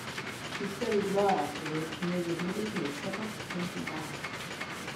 He studied law afterward, and was admitted to the Suffolk County bar.